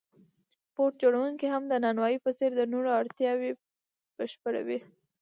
بوټ جوړونکی هم د نانوای په څېر د نورو اړتیاوې بشپړوي